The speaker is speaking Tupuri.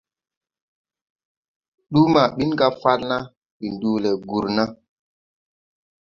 Duu ma bin ga Falna, ndi nduu le Gurna.